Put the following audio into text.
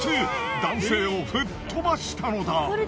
男性を吹っ飛ばしたのだ。